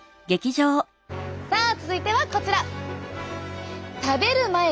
さあ続いてはこちら！